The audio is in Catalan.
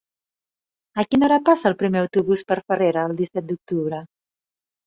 A quina hora passa el primer autobús per Farrera el disset d'octubre?